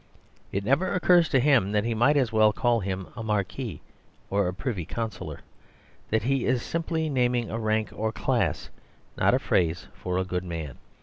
It never occurs to him that he might as well call him "a marquis," or "a privy councillor" that he is simply naming a rank or class, not a phrase for a good man.